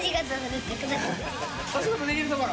纏できるところ？